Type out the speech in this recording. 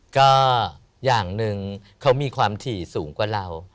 ก็อย่างหนึ่งเขามีความถี่สูงกว่าเรา